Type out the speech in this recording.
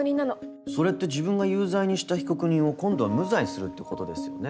それって自分が有罪にした被告人を今度は無罪にするってことですよね？